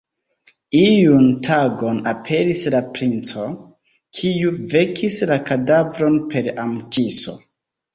Iun tagon aperis la Princo, kiu vekis la kadavron per am-kiso.